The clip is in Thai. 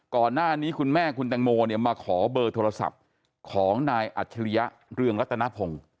ก่อนหน้านี้คุณแม่คุณแตงโมเนี่ยมาขอเบอร์โทรศัพท์ของนายอัจฉริยะเรืองรัตนพงศ์